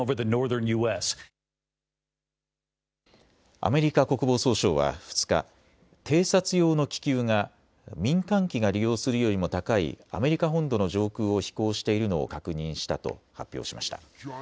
アメリカ国防総省は２日、偵察用の気球が民間機が利用するよりも高いアメリカ本土の上空を飛行しているのを確認したと発表しました。